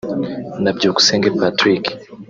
na Byukusenge Patrick